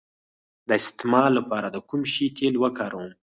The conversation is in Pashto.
د استما لپاره د کوم شي تېل وکاروم؟